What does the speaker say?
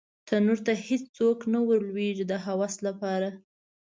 تنور ته هېڅوک نه ور لویږې د هوس لپاره